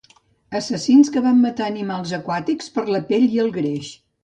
Assassins que van matar animals aquàtics per la pell i el greix.